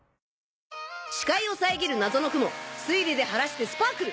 視界を遮る謎の雲推理で晴らしてスパークル！